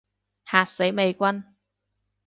嚇死美軍